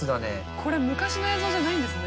これ昔の映像じゃないんですね。